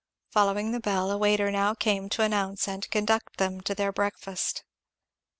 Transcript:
Following the bell a waiter now came to announce and conduct them to their breakfast.